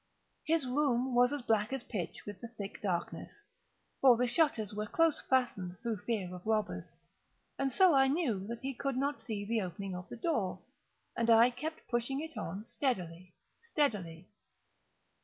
His room was as black as pitch with the thick darkness, (for the shutters were close fastened, through fear of robbers,) and so I knew that he could not see the opening of the door, and I kept pushing it on steadily, steadily.